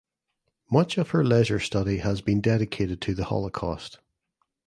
Much of her leisure study has been dedicated to the Holocaust.